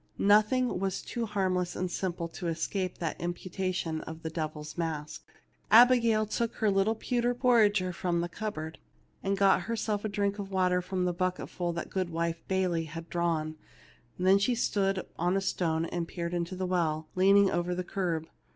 Noth ing was too harmless and simple to escape that imputation of the devil's mask. Abigail took her little pewter porringer from the cupboard, and got herself a drink of water from the bucketful that Goodwife Bayley had drawn ; then she stood on a stone, and peered into the well, leaning over the curb.